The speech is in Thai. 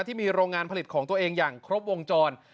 ที่มีโรงงานผลิตของตัวเองอย่างครบวงจร